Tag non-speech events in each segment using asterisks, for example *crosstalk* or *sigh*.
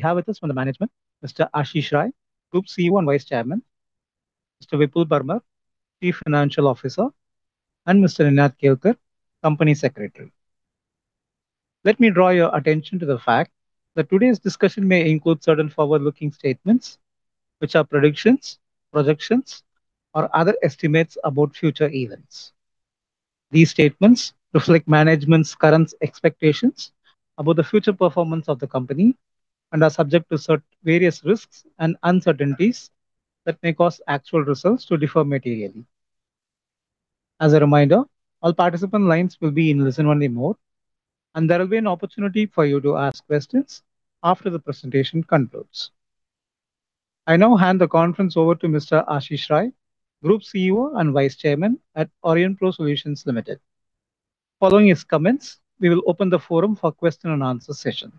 We have with us from the management, Mr. Ashish Rai, Group CEO and Vice Chairman, Mr. Vipul Parmar, Chief Financial Officer, and Mr. Ninad Kelkar, Company Secretary. Let me draw your attention to the fact that today's discussion may include certain forward-looking statements, which are predictions, projections, or other estimates about future events. These statements reflect management's current expectations about the future performance of the company and are subject to various risks and uncertainties that may cause actual results to differ materially. As a reminder, all participant lines will be in listen-only mode, and there will be an opportunity for you to ask questions after the presentation concludes. I now hand the conference over to Mr. Ashish Rai, Group CEO and Vice Chairman at Aurionpro Solutions Limited. Following his comments, we will open the forum for question and answer session.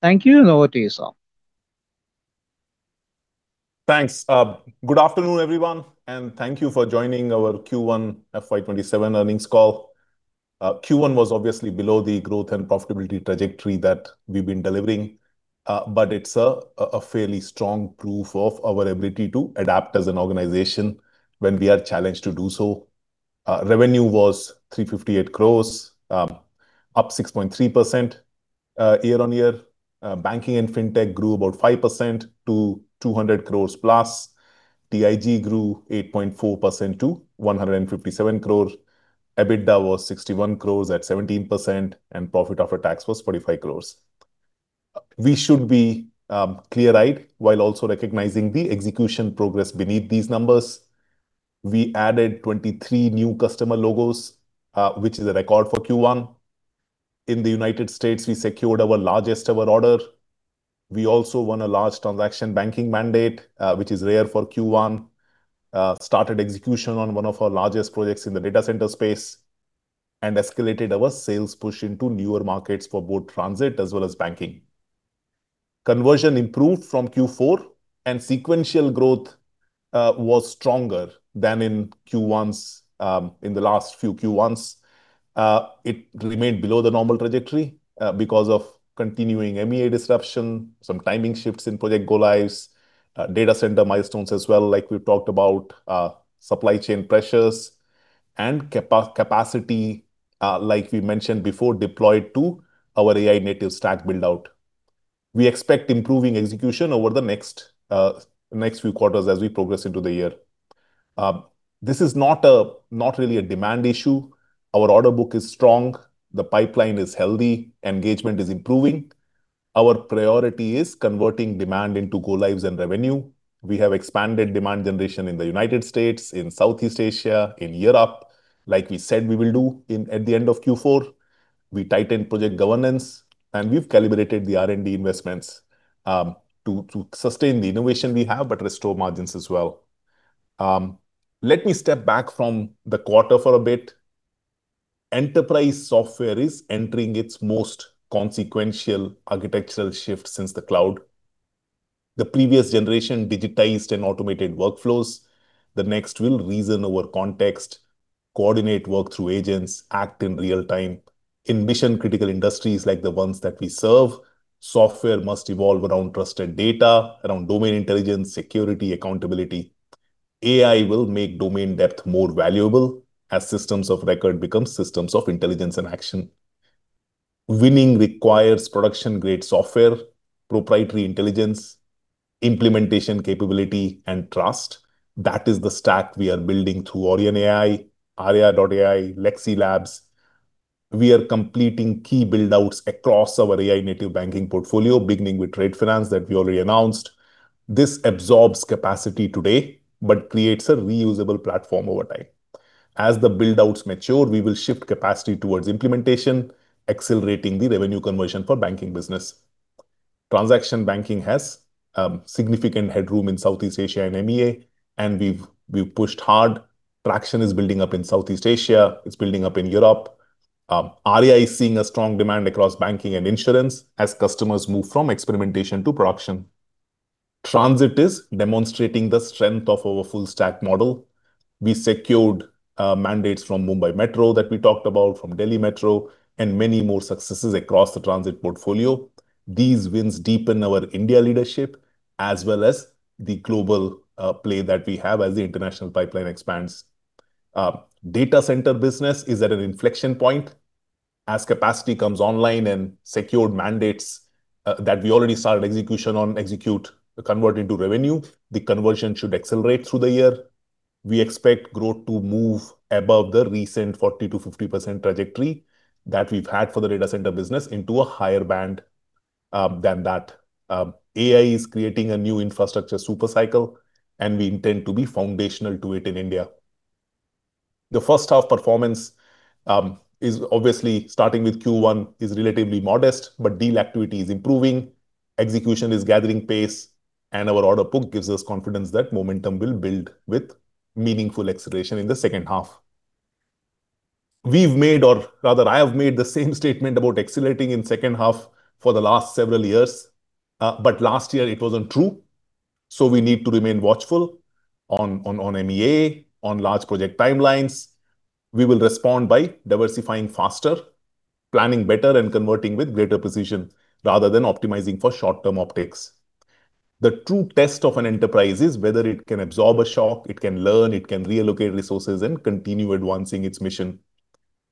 Thank you, over to you, sir. Thanks. Good afternoon, everyone, and thank you for joining our Q1 FY 2027 earnings call. Q1 was obviously below the growth and profitability trajectory that we've been delivering. It's a fairly strong proof of our ability to adapt as an organization when we are challenged to do so. Revenue was 358 crore, up 6.3% year-on-year. Banking and Fintech grew about 5% to 200 crore+. TIG grew 8.4% to 157 crore. EBITDA was 61 crore at 17%, and profit after tax was 45 crore. We should be clear-eyed while also recognizing the execution progress beneath these numbers. We added 23 new customer logos, which is a record for Q1. In the U.S., we secured our largest ever order. We also won a large transaction banking mandate, which is rare for Q1. Started execution on one of our largest projects in the data center space, escalated our sales push into newer markets for both transit as well as banking. Conversion improved from Q4 and sequential growth was stronger than in the last few Q1s. It remained below the normal trajectory because of continuing MEA disruption, some timing shifts in project go-lives, data center milestones as well, like we talked about, supply chain pressures, and capacity like we mentioned before, deployed to our AI-native stack build-out. We expect improving execution over the next few quarters as we progress into the year. This is not really a demand issue. Our order book is strong. The pipeline is healthy. Engagement is improving. Our priority is converting demand into go-lives and revenue. We have expanded demand generation in the U.S., in Southeast Asia, in Europe. Like we said we will do at the end of Q4, we tightened project governance, we've calibrated the R&D investments to sustain the innovation we have, restore margins as well. Let me step back from the quarter for a bit. Enterprise software is entering its most consequential architectural shift since the cloud. The previous generation digitized and automated workflows. The next will reason over context, coordinate work through agents, act in real-time. In mission-critical industries like the ones that we serve, software must evolve around trusted data, around domain intelligence, security, accountability. AI will make domain depth more valuable as systems of record become systems of intelligence and action. Winning requires production-grade software, proprietary intelligence, implementation capability, and trust. That is the stack we are building through AurionAI, Arya.ai, Lexsi Labs. We are completing key build-outs across our AI-native banking portfolio, beginning with trade finance that we already announced. This absorbs capacity today but creates a reusable platform over time. As the build-outs mature, we will shift capacity towards implementation, accelerating the revenue conversion for banking business. Transaction banking has significant headroom in Southeast Asia and MEA, and we've pushed hard. Traction is building up in Southeast Asia. It's building up in Europe. Arya is seeing a strong demand across banking and insurance as customers move from experimentation to production. Transit is demonstrating the strength of our full stack model. We secured mandates from Mumbai Metro that we talked about, from Delhi Metro, and many more successes across the transit portfolio. These wins deepen our India leadership as well as the global play that we have as the international pipeline expands. Data center business is at an inflection point. As capacity comes online and secured mandates that we already started execution on execute convert into revenue, the conversion should accelerate through the year. We expect growth to move above the recent 40%-50% trajectory that we've had for the data center business into a higher band than that. AI is creating a new infrastructure super cycle, and we intend to be foundational to it in India. The first half performance is obviously starting with Q1 is relatively modest, but deal activity is improving, execution is gathering pace, and our order book gives us confidence that momentum will build with meaningful acceleration in the second half. We've made or rather I have made the same statement about accelerating in second half for the last several years. Last year it wasn't true. We need to remain watchful on MEA, on large project timelines. We will respond by diversifying faster, planning better, and converting with greater precision rather than optimizing for short-term upticks. The true test of an enterprise is whether it can absorb a shock, it can learn, it can reallocate resources, and continue advancing its mission.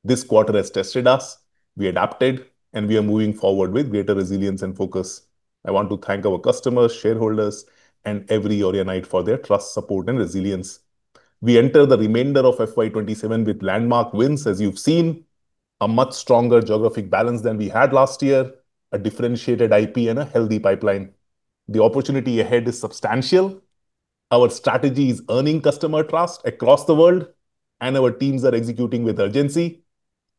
This quarter has tested us. We adapted, and we are moving forward with greater resilience and focus. I want to thank our customers, shareholders, and every Aurionite for their trust, support, and resilience. We enter the remainder of FY 2027 with landmark wins, as you've seen, a much stronger geographic balance than we had last year, a differentiated IP, and a healthy pipeline. The opportunity ahead is substantial. Our strategy is earning customer trust across the world, and our teams are executing with urgency.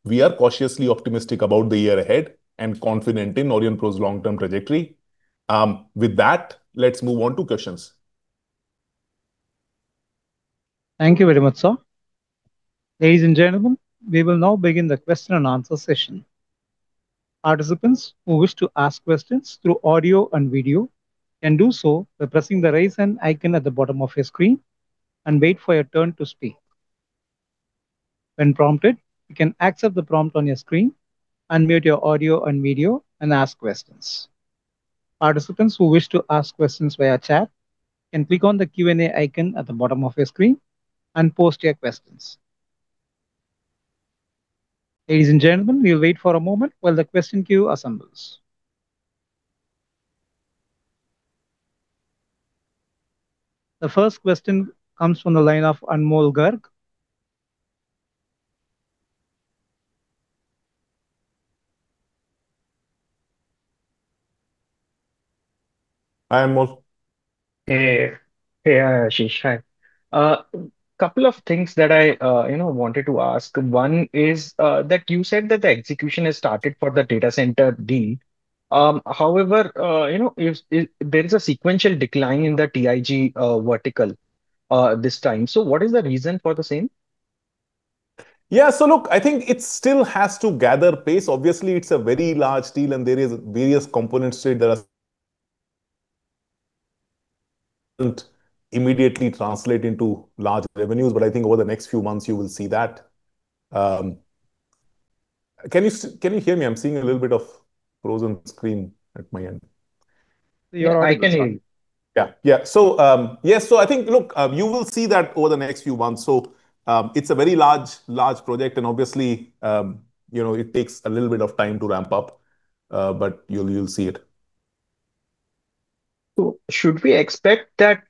We are cautiously optimistic about the year ahead and confident in Aurionpro's long-term trajectory. With that, let's move on to questions. Thank you very much, sir. Ladies and gentlemen, we will now begin the question-and-answer session. Participants who wish to ask questions through audio and video can do so by pressing the raise hand icon at the bottom of your screen and wait for your turn to speak. When prompted, you can accept the prompt on your screen, unmute your audio and video, and ask questions. Participants who wish to ask questions via chat can click on the Q&A icon at the bottom of your screen and post your questions. Ladies and gentlemen, we'll wait for a moment while the question queue assembles. The first question comes from the line of Anmol Garg. Hi, Anmol. Hey. Hey, Ashish. Hi. A couple of things that I wanted to ask. One is that you said that the execution has started for the data center deal. However, there is a sequential decline in the TIG vertical this time. What is the reason for the same? Yeah, look, I think it still has to gather pace. Obviously, it's a very large deal and there is various components to it that wouldn't immediately translate into large revenues. I think over the next few months you will see that. Can you hear me? I'm seeing a little bit of frozen screen at my end. Yeah, I can hear you. Yeah. I think, look, you will see that over the next few months. It's a very large project and obviously, it takes a little bit of time to ramp up. You'll see it. Should we expect that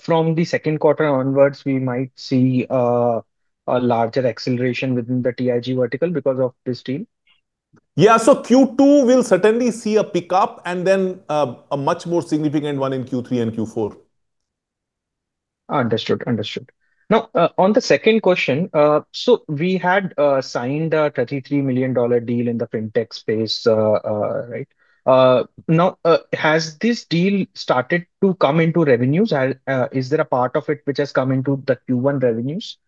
from the second quarter onwards we might see a larger acceleration within the TIG vertical because of this deal? Yeah. Q2 will certainly see a pickup and then a much more significant one in Q3 and Q4. Understood. Now, on the second question. We had signed an $33 million deal in the Fintech space, right? Now, has this deal started to come into revenues? Is there a part of it which has come into the Q1 revenues?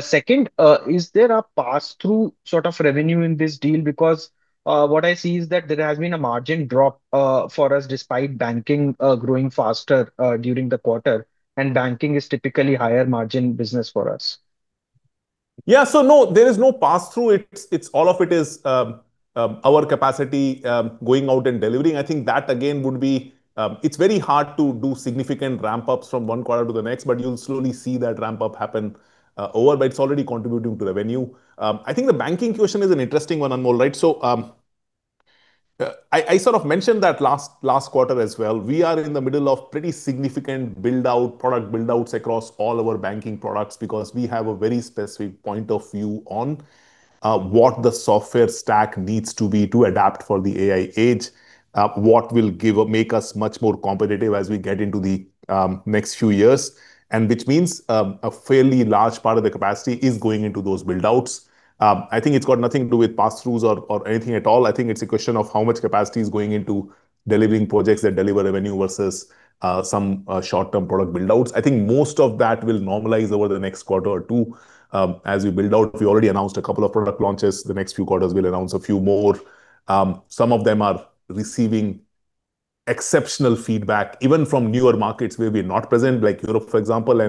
Second, is there a pass-through sort of revenue in this deal? Because what I see is that there has been a margin drop for us despite banking growing faster during the quarter, and banking is typically higher margin business for us. Yeah. No, there is no pass-through. All of it is our capacity going out and delivering. I think that, again, it is very hard to do significant ramp-ups from one quarter to the next, but you will slowly see that ramp-up happen over. It is already contributing to revenue. I think the banking question is an interesting one, Anmol, right? I sort of mentioned that last quarter as well. We are in the middle of pretty significant build-out, product build-outs across all our banking products because we have a very specific point of view on what the software stack needs to be to adapt for the AI age. What will make us much more competitive as we get into the next few years, which means, a fairly large part of the capacity is going into those build-outs. I think it has got nothing to do with pass-throughs or anything at all. I think it is a question of how much capacity is going into delivering projects that deliver revenue versus some short-term product build-outs. I think most of that will normalize over the next quarter or two as we build out. We already announced a couple of product launches. The next few quarters we will announce a few more. Some of them are receiving exceptional feedback, even from newer markets where we are not present, like Europe, for example.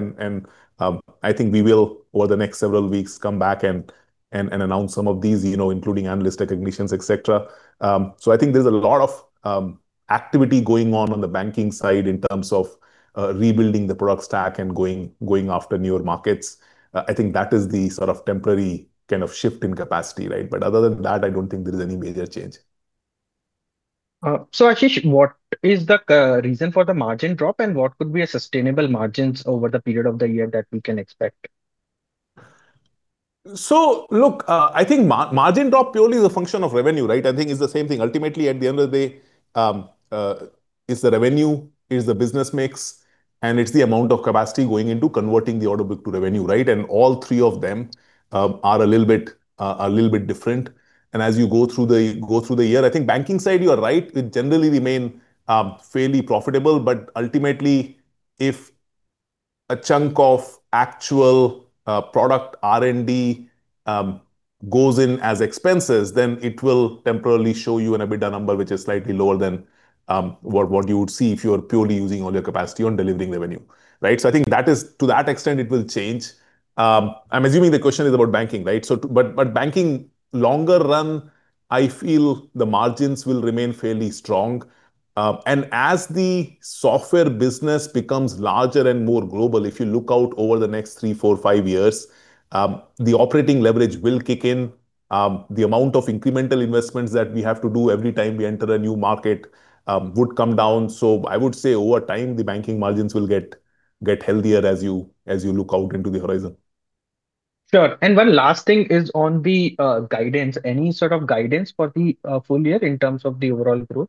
I think we will, over the next several weeks, come back and announce some of these, including analyst recognitions, etc. I think there is a lot of activity going on on the banking side in terms of rebuilding the product stack and going after newer markets. I think that is the sort of temporary kind of shift in capacity, right? Other than that, I do not think there is any major change. Ashish, what is the reason for the margin drop and what could be a sustainable margins over the period of the year that we can expect? Look, I think margin drop purely is a function of revenue, right? I think it's the same thing. Ultimately, at the end of the day, it's the revenue, it's the business mix, and it's the amount of capacity going into converting the order book to revenue, right? All three of them are a little bit different. As you go through the year, I think banking side, you are right. We generally remain fairly profitable, but ultimately a chunk of actual product R&D goes in as expenses, then it will temporarily show you an EBITDA number which is slightly lower than what you would see if you're purely using all your capacity on delivering revenue. Right? I think to that extent, it will change. I'm assuming the question is about banking, right? Banking, longer run, I feel the margins will remain fairly strong. As the software business becomes larger and more global, if you look out over the next three, four, five years, the operating leverage will kick in. The amount of incremental investments that we have to do every time we enter a new market would come down. I would say over time, the banking margins will get healthier as you look out into the horizon. Sure. One last thing is on the guidance. Any sort of guidance for the full year in terms of the overall growth?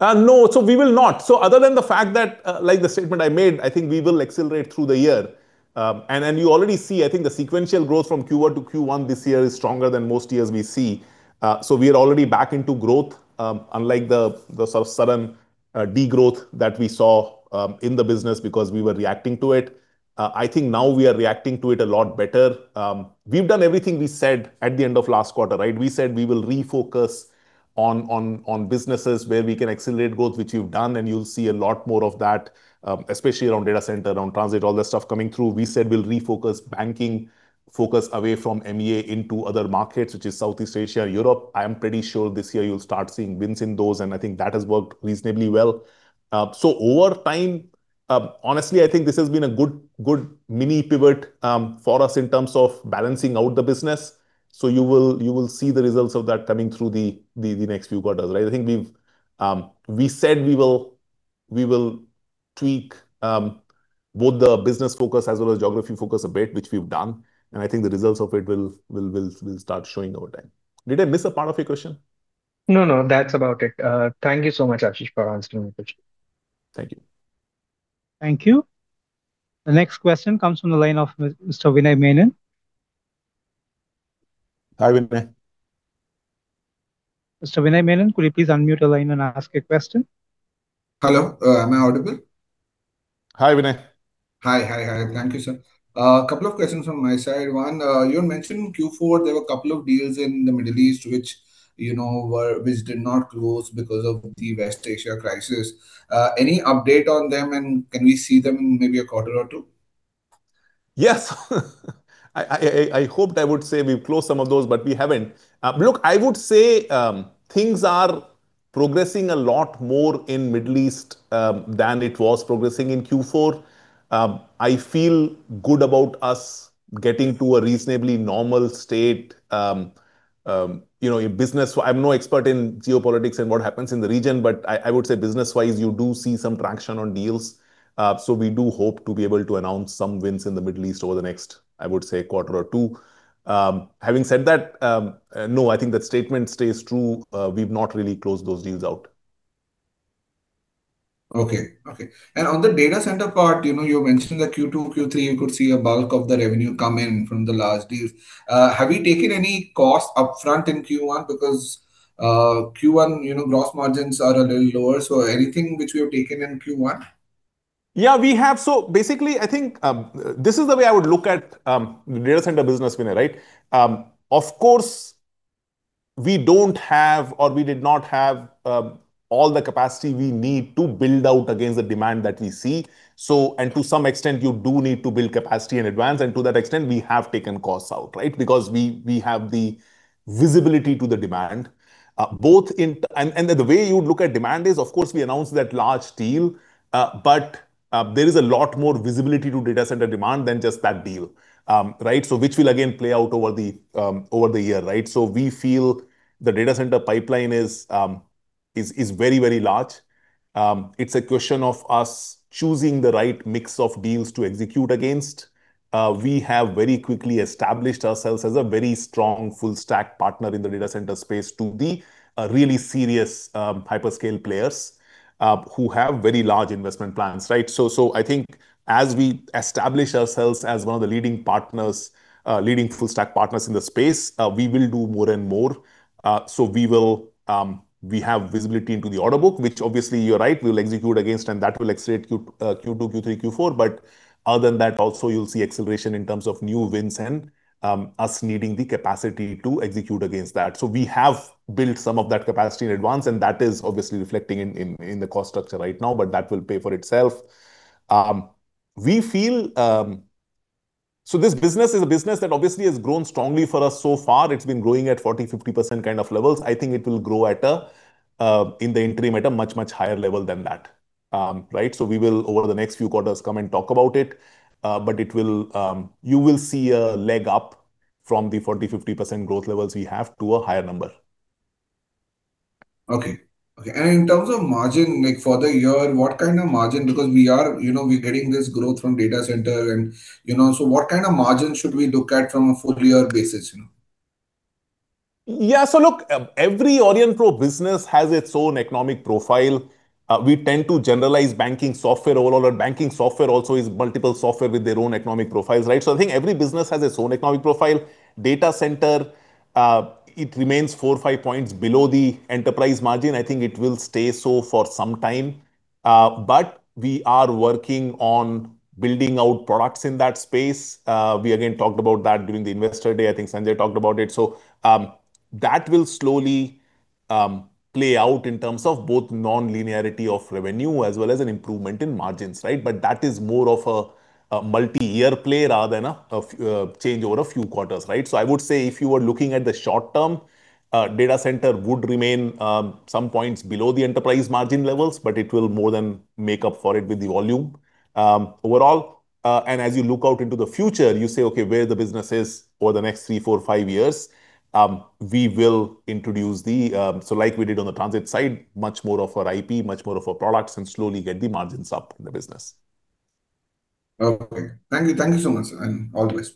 No. We will not. Other than the fact that, like the statement I made, I think we will accelerate through the year. You already see, I think the sequential growth from [Q1-Q1] this year is stronger than most years we see. We are already back into growth, unlike the sort of sudden de-growth that we saw in the business because we were reacting to it. I think now we are reacting to it a lot better. We've done everything we said at the end of last quarter, right? We said we will refocus on businesses where we can accelerate growth, which we've done, and you'll see a lot more of that, especially around data center, around transit, all that stuff coming through. We said we'll refocus banking, focus away from MEA into other markets, which is Southeast Asia, Europe. I am pretty sure this year you'll start seeing wins in those. I think that has worked reasonably well. Over time, honestly, I think this has been a good mini pivot for us in terms of balancing out the business. You will see the results of that coming through the next few quarters, right? We said we will tweak both the business focus as well as geography focus a bit, which we've done. I think the results of it will start showing over time. Did I miss a part of your question? No, no. That's about it. Thank you so much, Ashish, for answering my question. Thank you. Thank you. The next question comes from the line of Mr. Vinay Menon. Hi, Vinay. Mr. Vinay Menon, could you please unmute the line and ask a question? Hello. Am I audible? Hi, Vinay. Hi. Thank you, sir. Couple of questions from my side. One, you had mentioned in Q4, there were a couple of deals in the Middle East which did not close because of the West Asia crisis. Any update on them and can we see them maybe in a quarter or two? Yes. I hoped I would say we've closed some of those, but we haven't. Look, I would say things are progressing a lot more in Middle East than it was progressing in Q4. I feel good about us getting to a reasonably normal state. I'm no expert in geopolitics and what happens in the region, but I would say business-wise, you do see some traction on deals. We do hope to be able to announce some wins in the Middle East over the next, I would say, quarter or two. Having said that, no, I think that statement stays true. We've not really closed those deals out. Okay. On the data center part, you mentioned that Q2, Q3, you could see a bulk of the revenue come in from the last deals. Have you taken any cost up front in Q1? Because Q1 gross margins are a little lower, so anything which we have taken in Q1? Yeah, we have. Basically, I think this is the way I would look at the data center business, Vinay, right? Of course, we don't have or we did not have all the capacity we need to build out against the demand that we see. To some extent, you do need to build capacity in advance, and to that extent, we have taken costs out, right? Because we have the visibility to the demand. The way you look at demand is, of course we announced that large deal, but there is a lot more visibility to data center demand than just that deal. Right? Which will again play out over the year, right? We feel the data center pipeline is very large. It's a question of us choosing the right mix of deals to execute against. We have very quickly established ourselves as a very strong full stack partner in the data center space to the really serious hyperscale players who have very large investment plans. Right. I think as we establish ourselves as one of the leading full stack partners in the space, we will do more and more. We have visibility into the order book, which obviously, you're right, we'll execute against and that will accelerate Q2, Q3, Q4. Other than that, also you'll see acceleration in terms of new wins and us needing the capacity to execute against that. We have built some of that capacity in advance, and that is obviously reflecting in the cost structure right now, but that will pay for itself. We feel-- This business is a business that obviously has grown strongly for us so far. It's been growing at 40%-50% kind of levels. I think it will grow in the interim at a much, much higher level than that. Right. We will, over the next few quarters, come and talk about it. You will see a leg up from the 40%-50% growth levels we have to a higher number. Okay. In terms of margin for the year, what kind of margin, because we're getting this growth from data center what kind of margin should we look at from a full year basis? Yeah. Look, every Aurionpro business has its own economic profile. We tend to generalize banking software overall, banking software also is multiple software with their own economic profiles. Right. I think every business has its own economic profile. Data center. It remains four or five points below the enterprise margin. I think it will stay so for some time. We are working on building out products in that space. We again talked about that during the investor day. I think Sanjay talked about it. That will slowly play out in terms of both non-linearity of revenue as well as an improvement in margins. Right. That is more of a multi-year play rather than a change over a few quarters. Right. I would say if you were looking at the short term, data center would remain some points below the enterprise margin levels, but it will more than make up for it with the volume. Overall, as you look out into the future, you say, okay, where the business is for the next three, four, five years, we will introduce the like we did on the transit side, much more of our IP, much more of our products, and slowly get the margins up in the business. Okay. Thank you so much, sir, and all the best.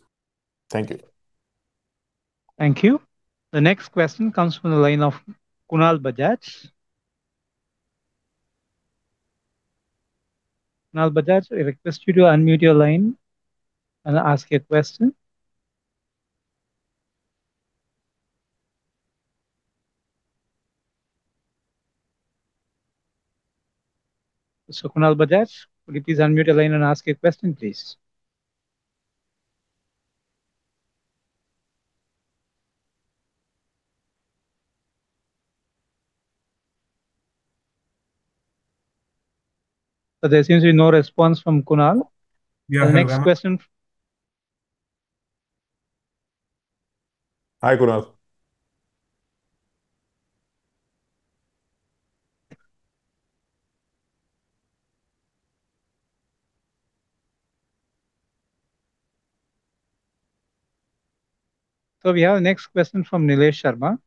Thank you. Thank you. The next question comes from the line of Kunal Bajaj. Kunal Bajaj, I request you to unmute your line and ask your question. Kunal Bajaj, could you please unmute your line and ask your question, please? There seems to be no response from Kunal. Yeah. The next question. Hi, Kunal. We have the next question from Nilesh Sharma.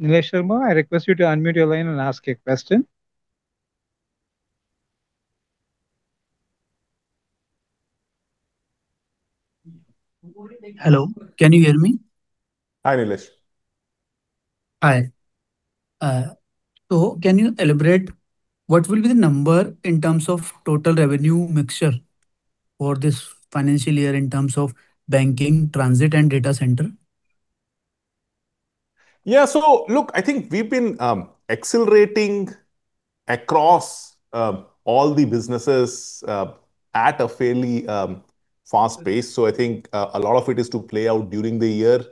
Nilesh Sharma, I request you to unmute your line and ask your question. Hello, can you hear me? Hi, Nilesh. Hi. Can you elaborate what will be the number in terms of total revenue mixture for this financial year in terms of banking, transit, and data center? Yeah. Look, I think we've been accelerating across all the businesses at a fairly fast pace. I think a lot of it is to play out during the year.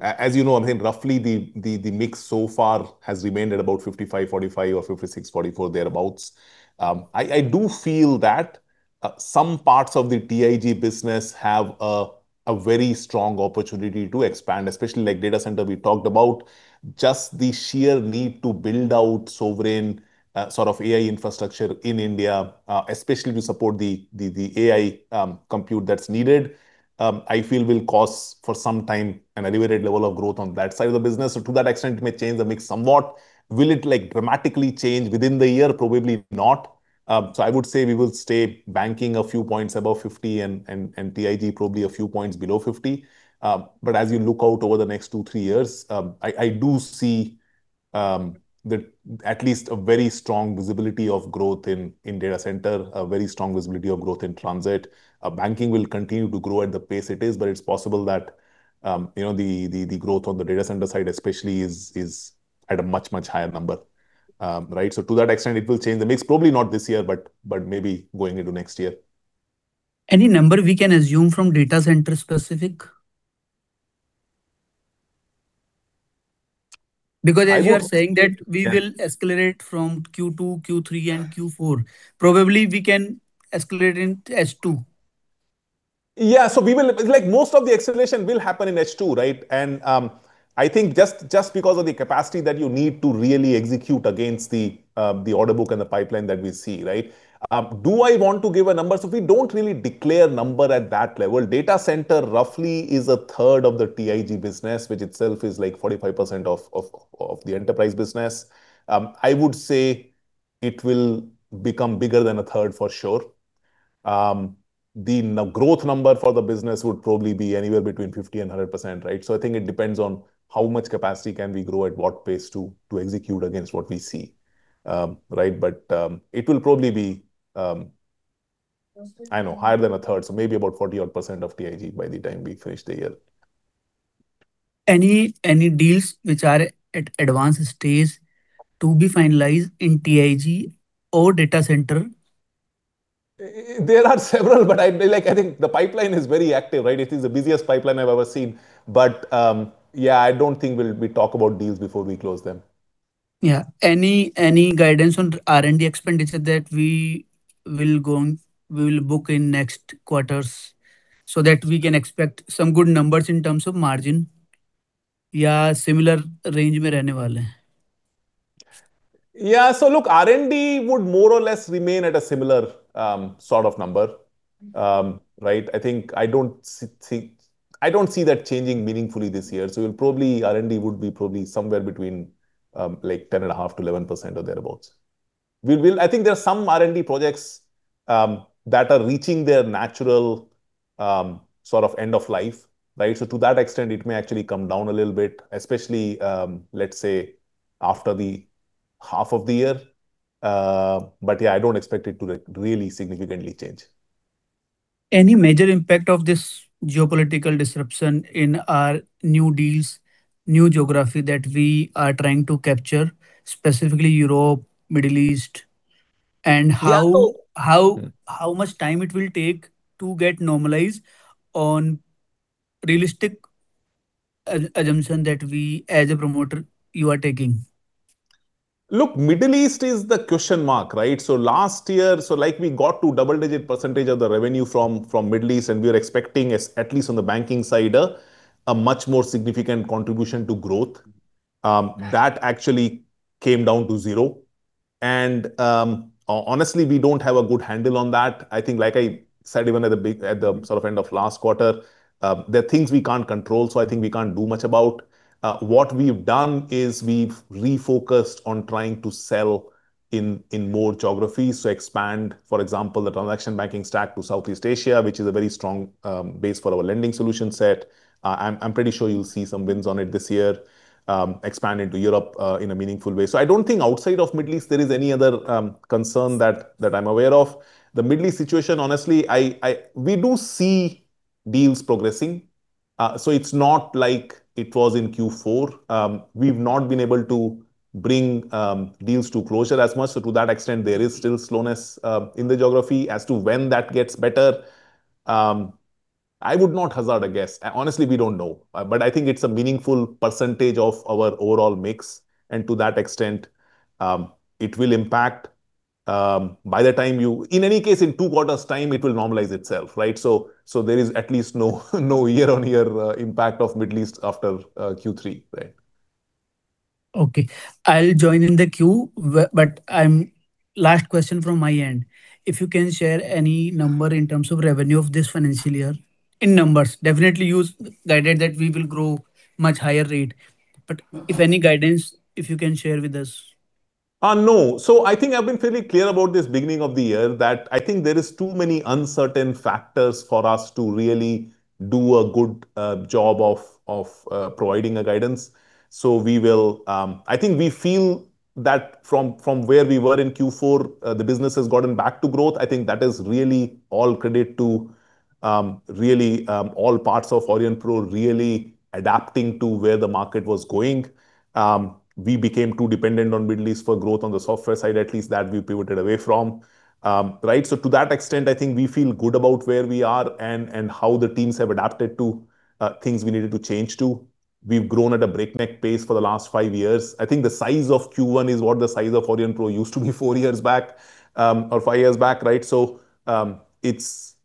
As you know, I think roughly the mix so far has remained at about 55/45 or 56/44 thereabouts. I do feel that some parts of the TIG business have a very strong opportunity to expand, especially like data center we talked about. Just the sheer need to build out sovereign sort of AI infrastructure in India, especially to support the AI compute that's needed, I feel will cause, for some time, an elevated level of growth on that side of the business. To that extent, it may change the mix somewhat. Will it dramatically change within the year? Probably not. I would say we will stay banking a few points above 50, and TIG probably a few points below 50. As you look out over the next two, three years, I do see at least a very strong visibility of growth in data center, a very strong visibility of growth in transit. Banking will continue to grow at the pace it is, but it's possible that the growth on the data center side especially is at a much, much higher number. Right? To that extent, it will change the mix, probably not this year, but maybe going into next year. Any number we can assume from data center specific? As you are saying that we will escalate from Q2, Q3, and Q4. Probably we can escalate in H2. Most of the acceleration will happen in H2, right? I think just because of the capacity that you need to really execute against the order book and the pipeline that we see. Do I want to give a number? We don't really declare number at that level. Data center roughly is a third of the TIG business, which itself is like 45% of the enterprise business. I would say it will become bigger than a third for sure. The growth number for the business would probably be anywhere between 50% and 100%, right? I think it depends on how much capacity can we grow at what pace to execute against what we see. Right? It will probably be, I don't know, higher than 1/3, so maybe about 40-odd% of TIG by the time we finish the year. Any deals which are at advanced stage to be finalized in TIG or data center? There are several, I think the pipeline is very active, right? It is the busiest pipeline I've ever seen. Yeah, I don't think we'll talk about deals before we close them. Yeah. Any guidance on R&D expenditure that we will book in next quarters so that we can expect some good numbers in terms of margin or similar range? Yeah. Look, R&D would more or less remain at a similar sort of number. Right? I don't see that changing meaningfully this year. R&D would be probably somewhere between 10.5%-11%, or thereabouts. I think there are some R&D projects that are reaching their natural sort of end of life. Right? To that extent, it may actually come down a little bit, especially, let's say, after the half of the year. Yeah, I don't expect it to really significantly change. Any major impact of this geopolitical disruption in our new deals, new geography that we are trying to capture, specifically Europe, Middle East? How much time it will take to get normalized on realistic assumption that we, as a promoter, you are taking? Look, Middle East is the question mark, right? Last year, we got to double-digit percentage of the revenue from Middle East, we're expecting, at least on the banking side, a much more significant contribution to growth. Yeah. That actually came down to zero, and honestly, we don't have a good handle on that. I think, like I said, even at the sort of end of last quarter, there are things we can't control, I think we can't do much about. What we've done is we've refocused on trying to sell in more geographies to expand, for example, the transaction banking stack to Southeast Asia, which is a very strong base for our lending solution set. I'm pretty sure you'll see some wins on it this year. Expand into Europe in a meaningful way. I don't think outside of Middle East there is any other concern that I'm aware of. The Middle East situation, honestly, we do see deals progressing. It's not like it was in Q4. We've not been able to bring deals to closure as much. To that extent, there is still slowness in the geography as to when that gets better. I would not hazard a guess. Honestly, we don't know. I think it's a meaningful percentage of our overall mix, and to that extent, it will impact. In any case, in two quarters' time it will normalize itself, right? There is at least no year-on-year impact of Middle East after Q3. Right. Okay. I'll join in the queue, last question from my end. If you can share any number in terms of revenue of this financial year, in numbers. Definitely, you guided that we will grow much higher rate. If any guidance, if you can share with us. No. I think I've been fairly clear about this beginning of the year, that I think there is too many uncertain factors for us to really do a good job of providing a guidance. I think we feel that from where we were in Q4, the business has gotten back to growth. I think that is really all credit to really all parts of Aurionpro really adapting to where the market was going. We became too dependent on Middle East for growth on the software side, at least that we pivoted away from. Right. To that extent, I think we feel good about where we are and how the teams have adapted to things we needed to change to. We've grown at a breakneck pace for the last five years. I think the size of Q1 is what the size of Aurionpro used to be four years back or five years back, right?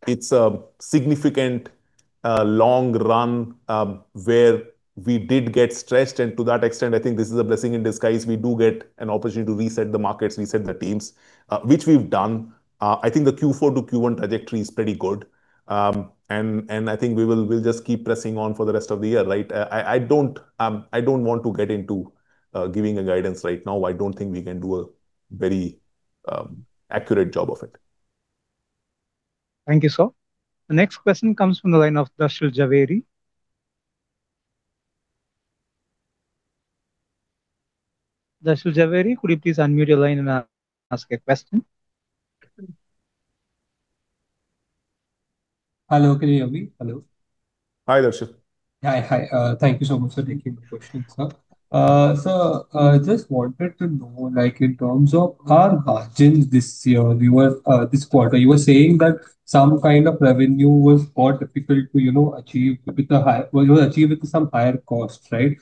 It's a significant long run, where we did get stressed. To that extent, I think this is a blessing in disguise. We do get an opportunity to reset the markets, reset the teams, which we've done. I think the Q4-Q1 trajectory is pretty good. I think we'll just keep pressing on for the rest of the year, right? I don't want to get into giving a guidance right now. I don't think we can do a very accurate job of it. Thank you, sir. The next question comes from the line of Darshan Jhaveri. Darshan Jhaveri, could you please unmute your line and ask a question? Hello, can you hear me? Hello. Hi, Darshan. Hi. Thank you so much for taking my question, sir. Sir, just wanted to know, in terms of our margins this year, this quarter, you were saying that some kind of revenue was quite difficult to achieve with some higher cost, right?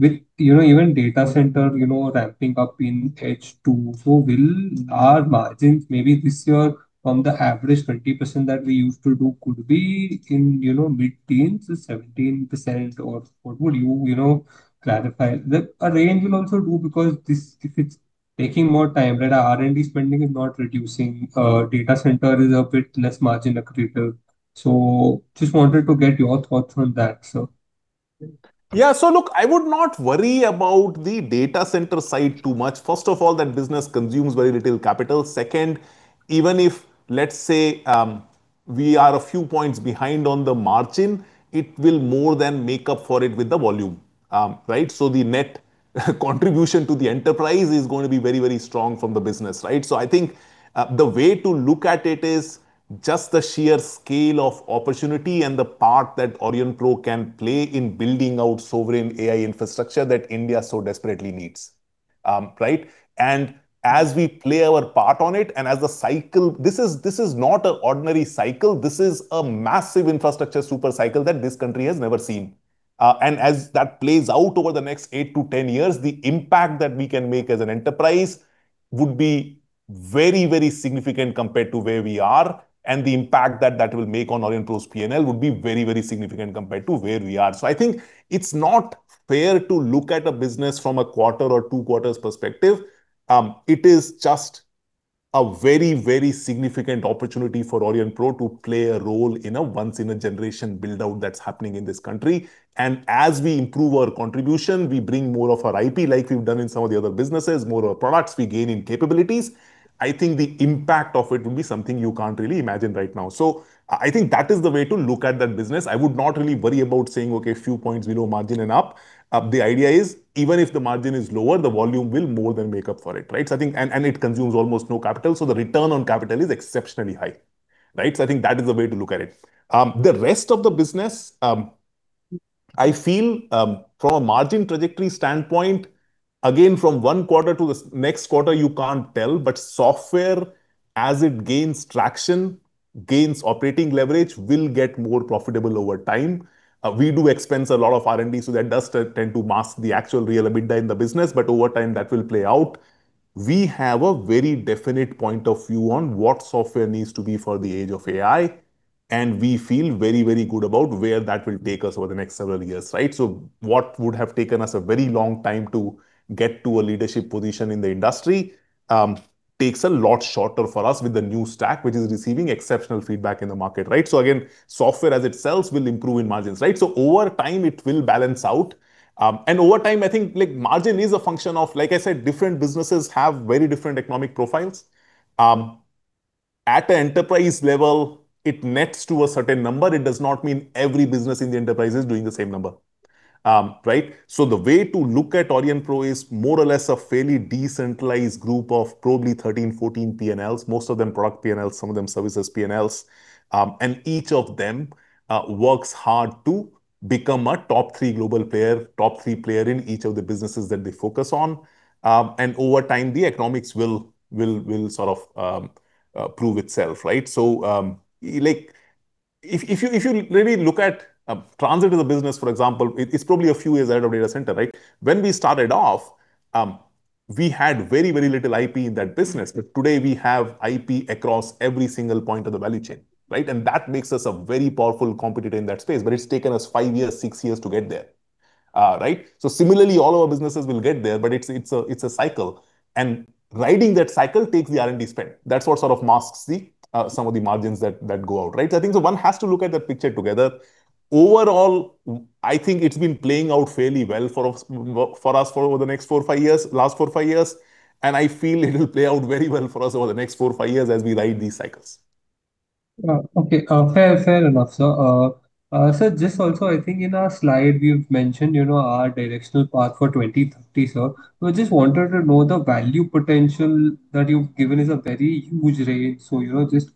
With even data center ramping up in H2, will our margins maybe this year from the average 20% that we used to do could be in mid-teens to 17%, or what would you clarify? The range will also do because if it's taking more time, right? Our R&D spending is not reducing. Data center is a bit less margin accretive. Just wanted to get your thoughts on that, sir. Yeah. Look, I would not worry about the data center side too much. First of all, that business consumes very little capital. Second, even if, let's say, we are a few points behind on the margin, it will more than make up for it with the volume. Right? The net contribution to the enterprise is going to be very, very strong from the business, right? I think the way to look at it is just the sheer scale of opportunity and the part that Aurionpro can play in building out sovereign AI infrastructure that India so desperately needs. Right? As we play our part on it, this is not an ordinary cycle. This is a massive infrastructure super cycle that this country has never seen. As that plays out over the next 8-10 years, the impact that we can make as an enterprise would be very, very significant compared to where we are. The impact that that will make on Aurionpro's P&L would be very, very significant compared to where we are. I think it's not fair to look at a business from a quarter or two quarters perspective. It is just a very, very significant opportunity for Aurionpro to play a role in a once-in-a-generation build-out that's happening in this country. As we improve our contribution, we bring more of our IP, like we've done in some of the other businesses, more of our products, we gain in capabilities. I think the impact of it will be something you can't really imagine right now. I think that is the way to look at that business. I would not really worry about saying, "Okay, a few points below margin and up." The idea is, even if the margin is lower, the volume will more than make up for it, right? It consumes almost no capital, so the return on capital is exceptionally high. Right. I think that is the way to look at it. The rest of the business, I feel from a margin trajectory standpoint, again, from one quarter to the next quarter, you can't tell. Software, as it gains traction, gains operating leverage, will get more profitable over time. We do expense a lot of R&D, so that does tend to mask the actual real EBITDA in the business. Over time, that will play out. We have a very definite point of view on what software needs to be for the age of AI, and we feel very good about where that will take us over the next several years. Right? What would have taken us a very long time to get to a leadership position in the industry takes a lot shorter for us with the new stack, which is receiving exceptional feedback in the market, right? Again, software as it sells will improve in margins. Over time it will balance out. Over time, I think margin is a function of, like I said, different businesses have very different economic profiles. At the enterprise level, it nets to a certain number. It does not mean every business in the enterprise is doing the same number. Right? The way to look at Aurionpro is more or less a fairly decentralized group of probably 13, 14 P&Ls. Most of them product P&Ls, some of them services P&Ls. Each of them works hard to become a top three global player in each of the businesses that they focus on. Over time, the economics will sort of prove itself. Right? If you really look at transit as a business, for example, it's probably a few years ahead of data center, right? When we started off, we had very little IP in that business. Today we have IP across every single point of the value chain, and that makes us a very powerful competitor in that space. It's taken us five years, six years to get there. Right? Similarly, all our businesses will get there. It's a cycle. Riding that cycle takes the R&D spend. That's what sort of masks some of the margins that go out. Right? I think one has to look at that picture together. Overall, I think it's been playing out fairly well for us for over the next four or five years, last four or five years, I feel it'll play out very well for us over the next four or five years as we ride these cycles. Okay. Fair enough, sir. Sir, I think in our slide, we've mentioned our directional path for 2030, sir. I just wanted to know the value potential that you've given is a very huge range.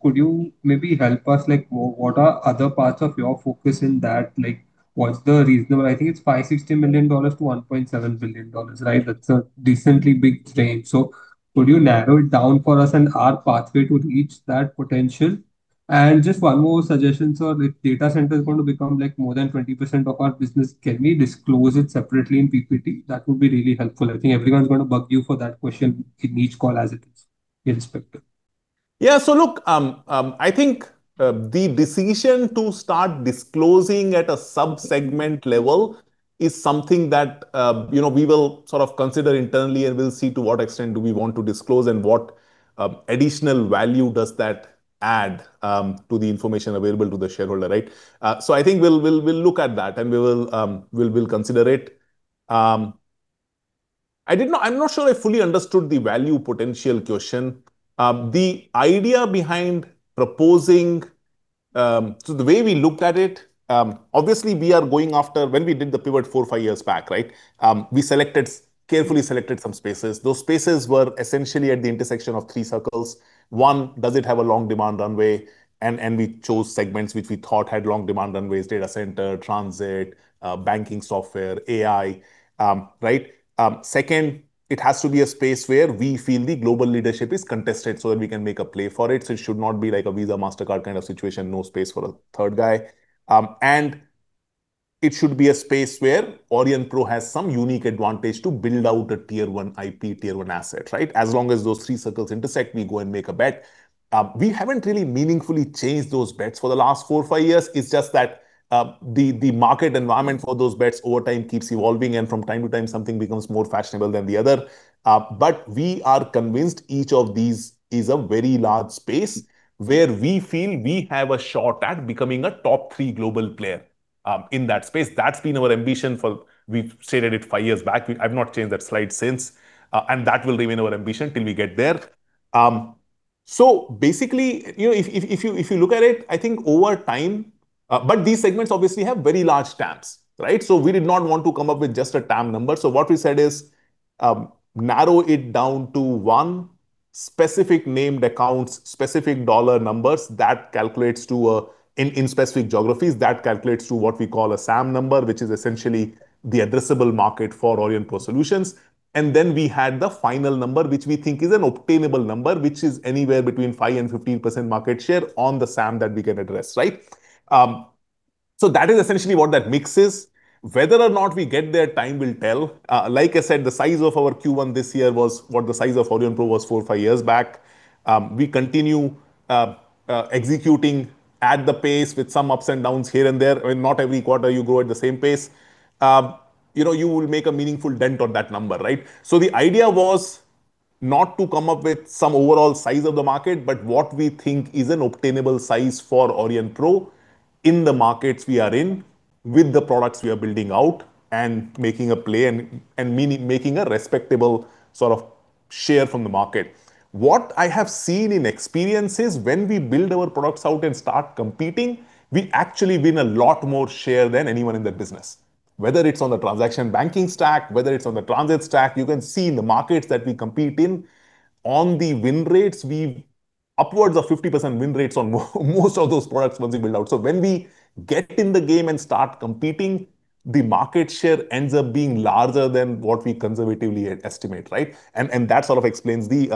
Could you maybe help us, like what are other parts of your focus in that? I think it's INR 560 million-INR 1.7 billion, right? That's a decently big range. Could you narrow it down for us and our pathway to reach that potential? One more suggestion, sir. If data center is going to become more than 20% of our business, can we disclose it separately in PPT? That would be really helpful. I think everyone's going to bug you for that question in each call as it is respected. Yeah. Look, I think, the decision to start disclosing at a sub-segment level is something that we will sort of consider internally, and we'll see to what extent do we want to disclose and what additional value does that add to the information available to the shareholder. Right? I think we'll look at that and we will consider it. I'm not sure I fully understood the value potential question. The idea behind proposing the way we looked at it, obviously we are going after. When we did the pivot four or five years back, right, we carefully selected some spaces. Those spaces were essentially at the intersection of three circles. One, does it have a long demand runway? And we chose segments which we thought had long demand runways, data center, transit, banking software, AI. Right? Second, it has to be a space where we feel the global leadership is contested so that we can make a play for it. It should not be like a Visa, Mastercard kind of situation. No space for a third guy. It should be a space where Aurionpro has some unique advantage to build out a Tier I IP, Tier I asset, right? As long as those three circles intersect, we go and make a bet. We haven't really meaningfully changed those bets for the last four or five years. It's just that the market environment for those bets over time keeps evolving, and from time to time, something becomes more fashionable than the other. We are convinced each of these is a very large space where we feel we have a shot at becoming a top three global player in that space. That's been our ambition for We've stated it five years back. I've not changed that slide since. That will remain our ambition till we get there. Basically, if you look at it, I think over time these segments obviously have very large TAMs, right? We did not want to come up with just a TAM number. What we said is narrow it down to one specific named accounts, specific dollar numbers in specific geographies. That calculates to what we call a SAM number, which is essentially the addressable market for Aurionpro Solutions. Then we had the final number, which we think is an obtainable number, which is anywhere between 5% and 15% market share on the SAM that we can address. Right? That is essentially what that mix is. Whether or not we get there, time will tell. Like I said, the size of our Q1 this year was what the size of Aurionpro was four or five years back. We continue executing at the pace with some ups and downs here and there. Not every quarter you go at the same pace. You will make a meaningful dent on that number, right? The idea was not to come up with some overall size of the market, but what we think is an obtainable size for Aurionpro in the markets we are in with the products we are building out and making a play and making a respectable sort of share from the market. What I have seen in experience is when we build our products out and start competing, we actually win a lot more share than anyone in that business. Whether it's on the transaction banking stack, whether it's on the transit stack, you can see in the markets that we compete in, on the win rates, upwards of 50% win rates on most of those products once we build out. When we get in the game and start competing, the market share ends up being larger than what we conservatively estimate, right? That sort of explains the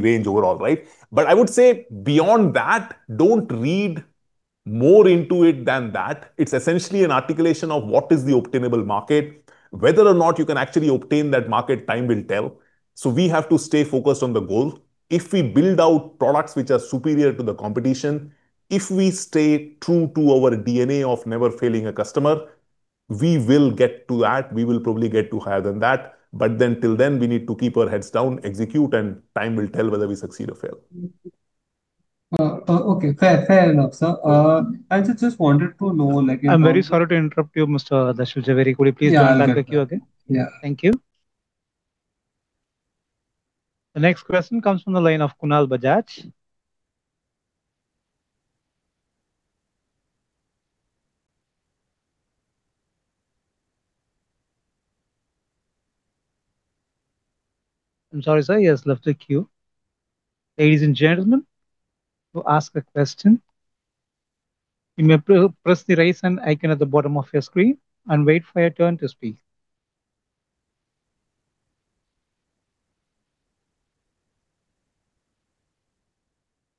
range overall, right? I would say, beyond that, don't read more into it than that. It's essentially an articulation of what is the obtainable market. Whether or not you can actually obtain that market, time will tell. We have to stay focused on the goal. If we build out products which are superior to the competition, if we stay true to our DNA of never failing a customer, we will get to that. We will probably get to higher than that. Till then, we need to keep our heads down, execute, and time will tell whether we succeed or fail. Okay. Fair enough, sir. I just wanted to know. I'm very sorry to interrupt you, Mr. Darshan Jhaveri. Could you please join back the queue again? Yeah. Thank you. The next question comes from the line of Kunal Bajaj. I'm sorry, sir, he has left the queue. Ladies and gentlemen, to ask a question, you may press the Raise Hand icon at the bottom of your screen and wait for your turn to speak.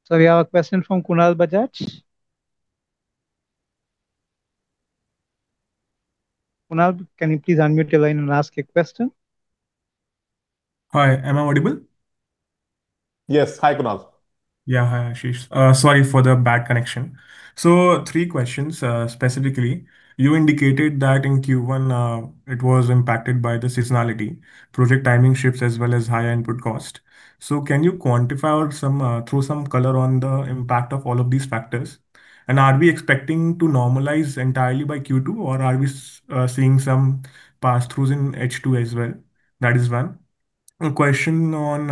We have a question from Kunal Bajaj. Kunal, can you please unmute your line and ask a question? Hi, am I audible? Yes. Hi, Kunal. Yeah. Hi, Ashish. Sorry for the bad connection. Three questions. Specifically, you indicated that in Q1, it was impacted by the seasonality, project timing shifts, as well as higher input cost. Can you quantify or throw some color on the impact of all of these factors? Are we expecting to normalize entirely by Q2, or are we seeing some pass-throughs in H2 as well? That is one. A question on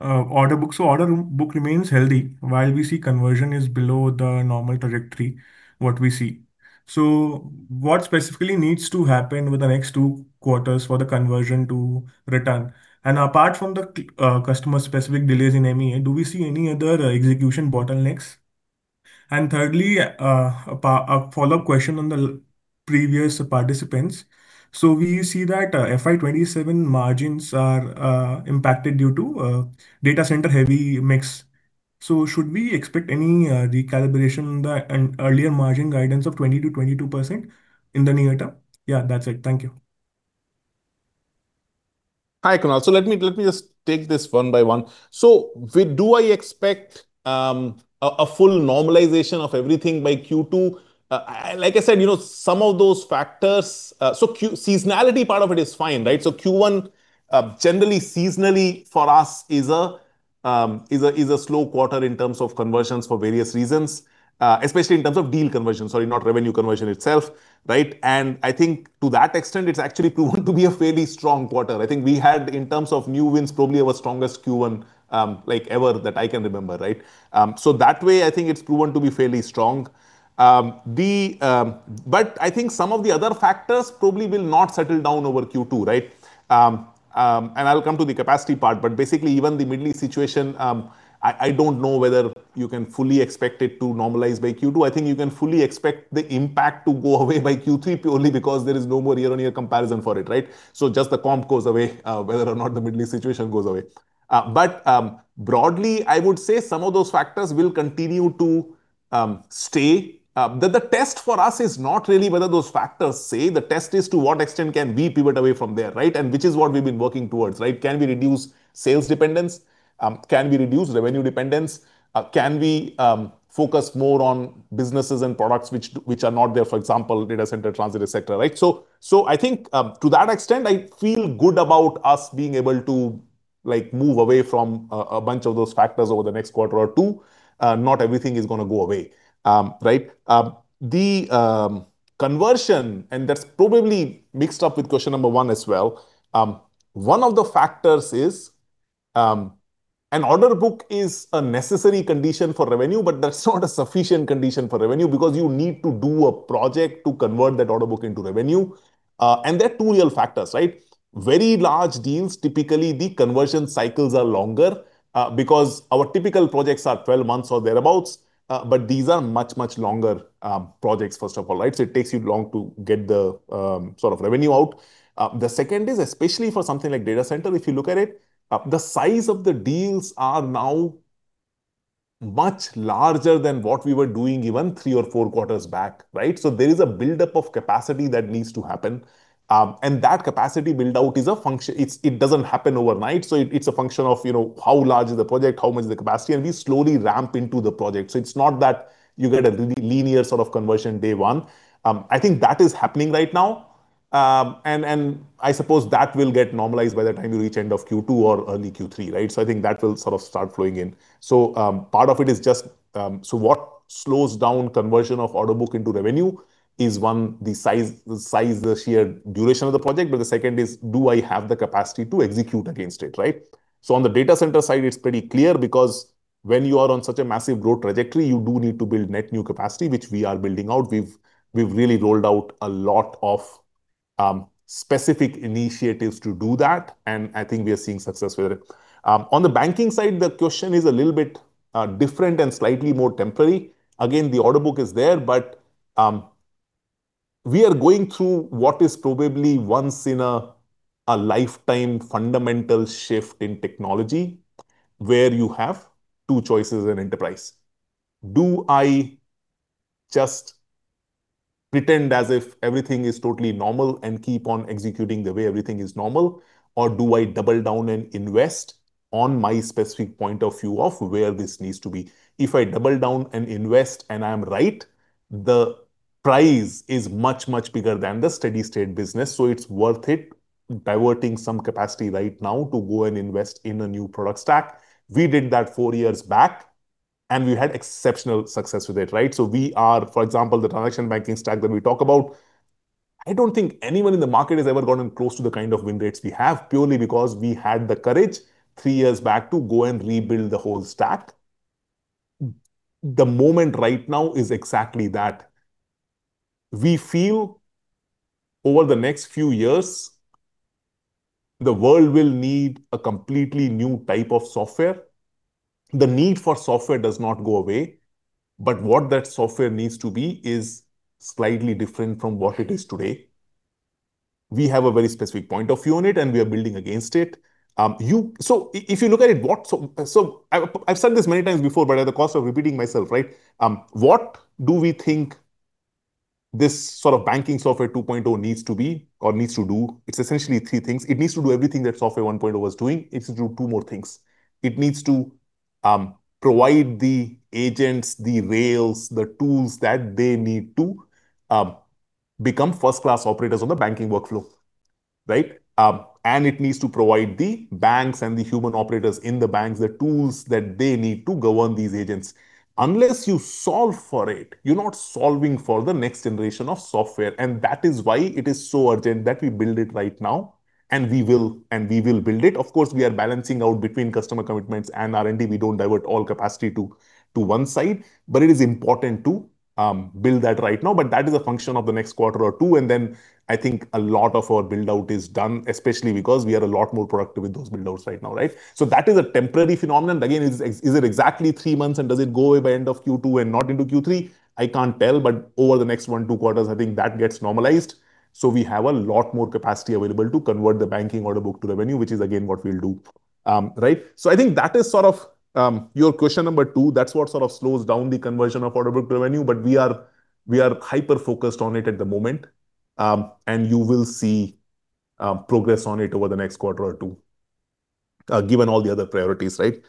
order book. Order book remains healthy while we see conversion is below the normal trajectory, what we see. What specifically needs to happen with the next two quarters for the conversion to return? Apart from the customer-specific delays in MEA, do we see any other execution bottlenecks? Thirdly, a follow-up question on the previous participants. We see that FY 2027 margins are impacted due to data center-heavy mix. Should we expect any recalibration in the earlier margin guidance of 20%-22% in the near term? Yeah, that's it. Thank you. Hi, Kunal. Let me just take this one by one. Do I expect a full normalization of everything by Q2? Like I said, some of those factors. Seasonality part of it is fine, right? Q1, generally seasonally for us is a slow quarter in terms of conversions for various reasons. Especially in terms of deal conversion, sorry, not revenue conversion itself, right? I think to that extent, it's actually proven to be a fairly strong quarter. I think we had, in terms of new wins, probably our strongest Q1 like ever that I can remember, right? That way, I think it's proven to be fairly strong. But I think some of the other factors probably will not settle down over Q2, right? I'll come to the capacity part, but basically even the Middle East situation, I don't know whether you can fully expect it to normalize by Q2. I think you can fully expect the impact to go away by Q3 purely because there is no more year-on-year comparison for it, right? Just the comp goes away, whether or not the Middle East situation goes away. Broadly, I would say some of those factors will continue to stay. The test for us is not really whether those factors stay. The test is to what extent can we pivot away from there, right? Which is what we've been working towards, right? Can we reduce sales dependence? Can we reduce revenue dependence? Can we focus more on businesses and products which are not there, for example, data center, transit, etc, right? I think, to that extent, I feel good about us being able to move away from a bunch of those factors over the next quarter or two. Not everything is going to go away. Right? The conversion, and that's probably mixed up with question number one as well. One of the factors is, an order book is a necessary condition for revenue, but that's not a sufficient condition for revenue because you need to do a project to convert that order book into revenue. There are two real factors, right? Very large deals, typically, the conversion cycles are longer, because our typical projects are 12 months or thereabouts. But these are much, much longer projects, first of all. It takes you long to get the sort of revenue out. The second is, especially for something like data center, if you look at it, the size of the deals are now much larger than what we were doing even three or four quarters back, right? There is a buildup of capacity that needs to happen. That capacity build-out is a function. It doesn't happen overnight. It's a function of how large is the project, how much is the capacity, and we slowly ramp into the project. It's not that you get a linear sort of conversion day one. I think that is happening right now. I suppose that will get normalized by the time you reach end of Q2 or early Q3, right? I think that will sort of start flowing in. Part of it is just, what slows down conversion of order book into revenue is one, the size, the sheer duration of the project. The second is, do I have the capacity to execute against it, right? On the data center side, it's pretty clear because when you are on such a massive growth trajectory, you do need to build net new capacity, which we are building out. We've really rolled out a lot of specific initiatives to do that, I think we are seeing success with it. On the banking side, the question is a little bit different and slightly more temporary. The order book is there, we are going through what is probably once in a lifetime fundamental shift in technology, where you have two choices in enterprise. Do I just pretend as if everything is totally normal and keep on executing the way everything is normal? Do I double down and invest on my specific point of view of where this needs to be? If I double down and invest and I am right, the prize is much, much bigger than the steady state business, it's worth it diverting some capacity right now to go and invest in a new product stack. We did that four years back, we had exceptional success with it. Right? We are, for example, the transaction banking stack that we talk about. I don't think anyone in the market has ever gotten close to the kind of win rates we have, purely because we had the courage three years back to go and rebuild the whole stack. The moment right now is exactly that. We feel over the next few years, the world will need a completely new type of software. The need for software does not go away, what that software needs to be is slightly different from what it is today. We have a very specific point of view on it, we are building against it. If you look at it, I've said this many times before, at the cost of repeating myself, right? What do we think this sort of banking software 2.0 needs to be or needs to do? It's essentially three things. It needs to do everything that software 1.0 was doing. It needs to do two more things. It needs to provide the agents, the rails, the tools that they need to become first-class operators on the banking workflow, right? It needs to provide the banks and the human operators in the banks the tools that they need to govern these agents. Unless you solve for it, you're not solving for the next generation of software. That is why it is so urgent that we build it right now, and we will build it. Of course, we are balancing out between customer commitments and R&D. We don't divert all capacity to one side. It is important to build that right now. That is a function of the next quarter or two, and then I think a lot of our build-out is done, especially because we are a lot more productive with those build-outs right now, right? That is a temporary phenomenon. Again, is it exactly three months, and does it go away by end of Q2 and not into Q3? I can't tell. Over the next one, two quarters, I think that gets normalized. We have a lot more capacity available to convert the banking order book to revenue, which is again, what we'll do. Right? I think that is sort of your question number two. That's what sort of slows down the conversion of order book to revenue. We are hyper-focused on it at the moment. You will see progress on it over the next quarter or two, given all the other priorities, right?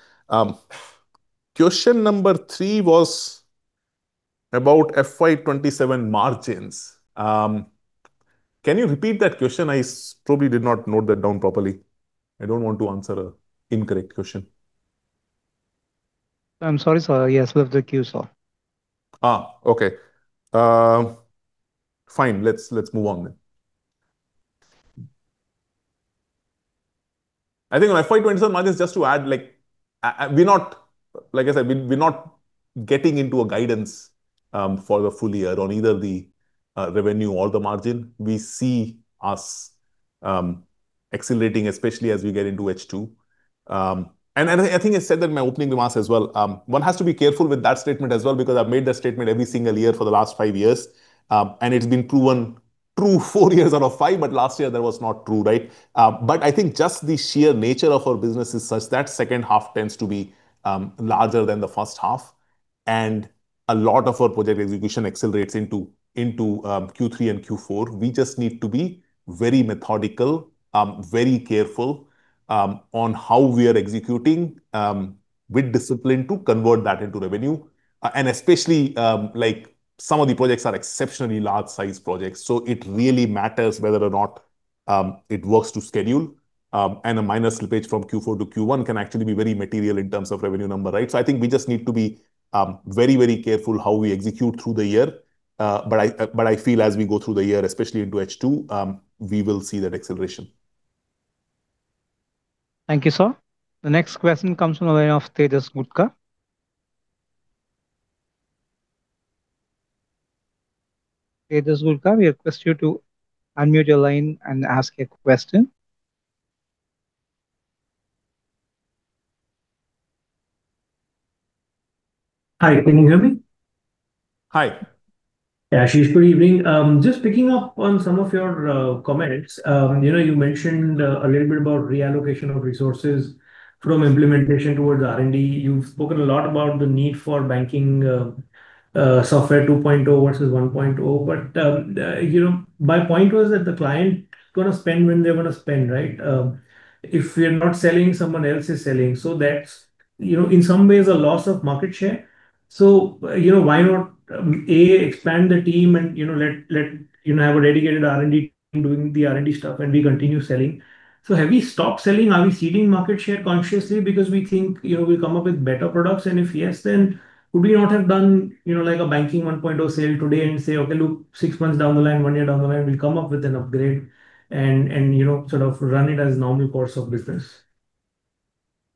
Question number three was about FY 2027 margins. Can you repeat that question? I probably did not note that down properly. I don't want to answer an incorrect question. I'm sorry, sir. Yes, we have the queue, sir. Okay. Fine. Let's move on then. I think on FY 2027 margins, just to add, like I said, we're not getting into a guidance for the full year on either the revenue or the margin. We see us accelerating, especially as we get into H2. I think I said that in my opening remarks as well. One has to be careful with that statement as well, because I've made that statement every single year for the last five years. It's been true four years out of five, but last year that was not true, right? I think just the sheer nature of our business is such that second half tends to be larger than the first half. A lot of our project execution accelerates into Q3 and Q4. We just need to be very methodical, very careful on how we are executing with discipline to convert that into revenue. Especially, some of the projects are exceptionally large size projects. It really matters whether or not it works to schedule. A minor slippage from Q4-Q1 can actually be very material in terms of revenue number. Right? I think we just need to be very careful how we execute through the year. I feel as we go through the year, especially into H2, we will see that acceleration. Thank you, sir. The next question comes from the line of Tejas Gutka. Tejas Gutka, we request you to unmute your line and ask a question. Hi. Can you hear me? Hi. Ashish. Good evening. Just picking up on some of your comments. You mentioned a little bit about reallocation of resources from implementation towards R&D. You've spoken a lot about the need for banking software 2.0 versus 1.0. My point was that the client is going to spend when they're going to spend, right? If we are not selling, someone else is selling. That's, in some ways, a loss of market share. Why not, A, expand the team and have a dedicated R&D team doing the R&D stuff, and we continue selling. Have we stopped selling? Are we ceding market share consciously because we think we'll come up with better products? If yes, would we not have done a banking 1.0 sale today and say, "Okay, look, six months down the line, one year down the line, we'll come up with an upgrade," and sort of run it as normal course of business?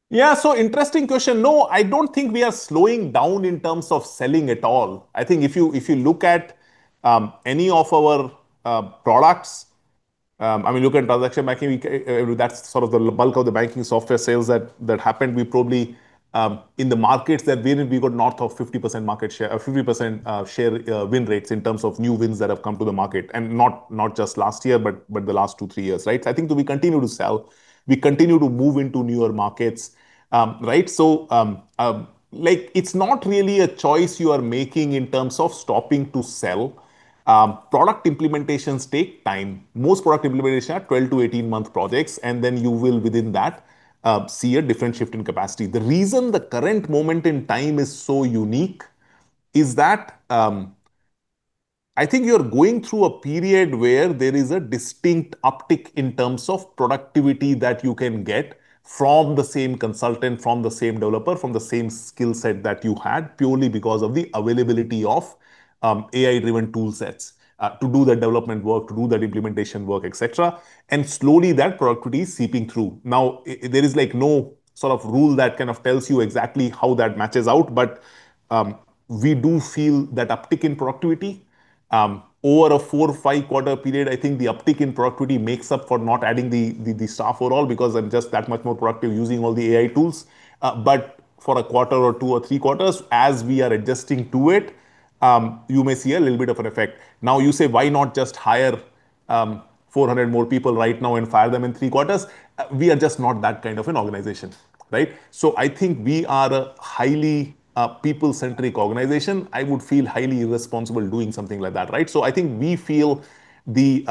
Yeah. Interesting question. No, I don't think we are slowing down in terms of selling at all. I think if you look at any of our products, look at transaction banking, that's sort of the bulk of the banking software sales that happened. We probably, in the markets that we're in, we got north of 50% market share or 50% share win rates in terms of new wins that have come to the market. Not just last year, but the last two, three years. Right? I think that we continue to sell, we continue to move into newer markets. Right? It's not really a choice you are making in terms of stopping to sell. Product implementations take time. Most product implementations are 12-18 month projects, and then you will, within that, see a different shift in capacity. The reason the current moment in time is so unique is that, I think you're going through a period where there is a distinct uptick in terms of productivity that you can get from the same consultant, from the same developer, from the same skill set that you had, purely because of the availability of AI-driven tool sets to do the development work, to do the implementation work, etc. Slowly that productivity is seeping through. Now, there is no sort of rule that kind of tells you exactly how that matches out. We do feel that uptick in productivity. Over a four or five-quarter period, I think the uptick in productivity makes up for not adding the staff at all because I'm just that much more productive using all the AI tools. For a quarter or two or three quarters, as we are adjusting to it, you may see a little bit of an effect. Now you say, "Why not just hire 400 more people right now and fire them in three quarters?" We are just not that kind of an organization, right? I think we are a highly people-centric organization. I would feel highly irresponsible doing something like that, right? I think we feel the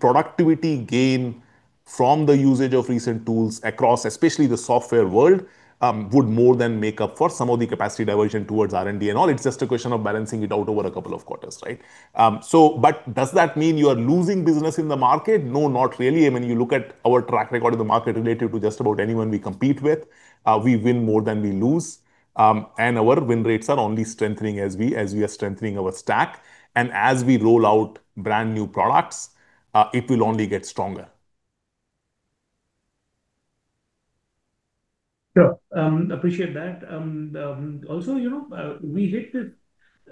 productivity gain from the usage of recent tools across especially the software world, would more than make up for some of the capacity diversion towards R&D and all. It's just a question of balancing it out over a couple of quarters, right? Does that mean you are losing business in the market? No, not really. I mean, you look at our track record in the market related to just about anyone we compete with, we win more than we lose. Our win rates are only strengthening as we are strengthening our stack. As we roll out brand new products, it will only get stronger. Sure. Appreciate that. Also, we hit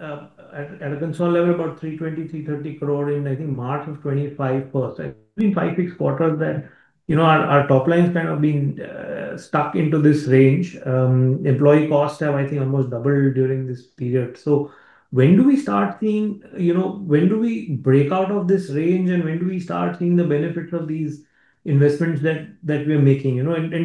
at a [console level about 320 crore-330 crore in, I think, March of 2025. It's been five, six quarters that our top line's kind of been stuck into this range. Employee costs have, I think, almost doubled during this period. When do we break out of this range, and when do we start seeing the benefits of these investments that we are making?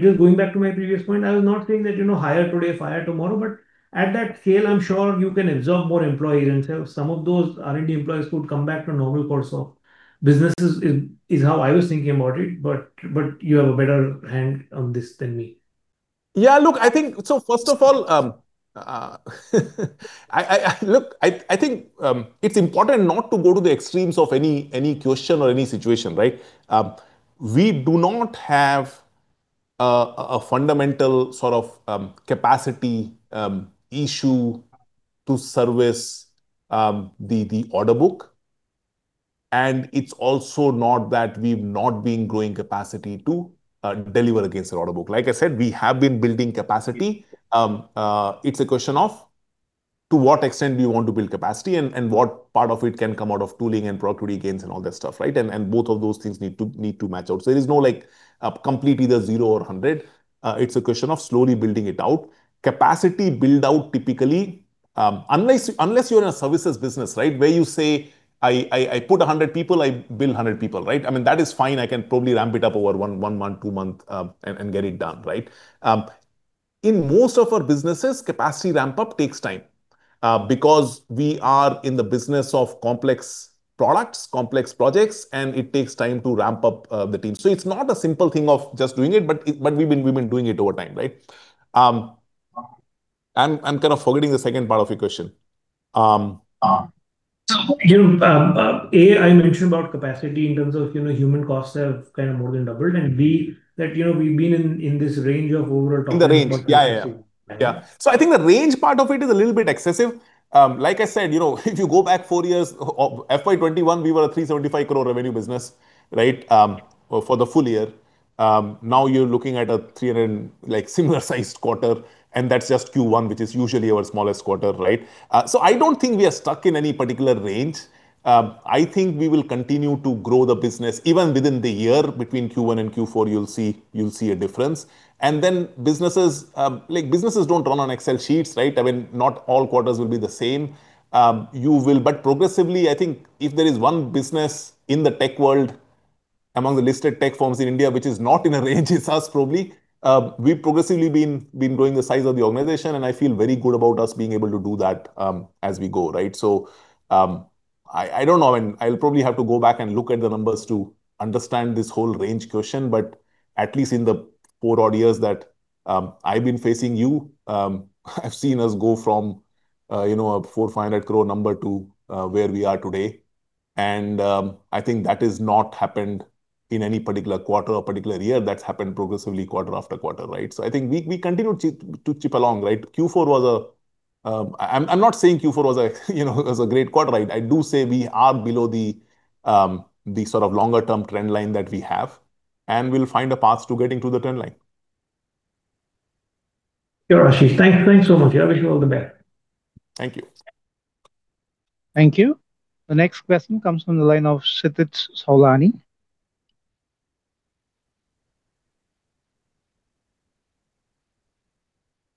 Just going back to my previous point, I was not saying that hire today, fire tomorrow. At that scale, I'm sure you can absorb more employees until some of those R&D employees could come back to normal course of business is how I was thinking about it, you have a better hand on this than me. First of all, look, I think it's important not to go to the extremes of any question or any situation, right? We do not have a fundamental sort of capacity issue to service the order book. It's also not that we've not been growing capacity to deliver against the order book. Like I said, we have been building capacity. It's a question of to what extent do you want to build capacity, and what part of it can come out of tooling and productivity gains and all that stuff, right? Both of those things need to match out. It is not like completely the zero or 100. It's a question of slowly building it out. Capacity build-out typically, unless you're in a services business, right? Where you say, "I put 100 people, I bill 100 people." Right? I mean, that is fine. I can probably ramp it up over one month, two months, and get it done, right? In most of our businesses, capacity ramp-up takes time. We are in the business of complex products, complex projects, and it takes time to ramp up the team. It's not a simple thing of just doing it, we've been doing it over time, right? I'm kind of forgetting the second part of your question. A, I mentioned about capacity in terms of human costs have kind of more than doubled. B, that we've been in this range of overall top line. In the range. Yeah. *inaudible* Yeah. I think the range part of it is a little bit excessive. Like I said, if you go back four years, FY 2021, we were a 375 crore revenue business, right? For the full year. Now you're looking at a 300, similar-sized quarter, and that's just Q1, which is usually our smallest quarter, right? I don't think we are stuck in any particular range. I think we will continue to grow the business. Even within the year, between Q1 and Q4, you'll see a difference. Businesses don't run on Excel sheets, right? I mean, not all quarters will be the same. Progressively, I think if there is one business in the tech world among the listed tech firms in India which is not in a range, it's us probably. We've progressively been growing the size of the organization, and I feel very good about us being able to do that as we go, right? I don't know. I'll probably have to go back and look at the numbers to understand this whole range question, but at least in the four odd years that I've been facing you, I've seen us go from a 400 crore-500 crore number to where we are today. I think that has not happened in any particular quarter or particular year. That's happened progressively quarter-after-quarter, right? I think we continue to chip along, right? Q4 was I'm not saying Q4 was a great quarter. I do say we are below the sort of longer-term trend line that we have, and we'll find a path to getting to the trend line. Sure, Ashish. Thanks so much. I wish you all the best. Thank you.